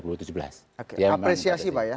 oke apresiasi pak ya